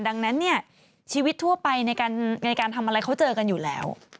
ดังนั้นเนี่ยชีวิตทั่วไปในการทำอะไรเขาเจอกันอยู่แล้ว